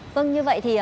vâng như vậy thì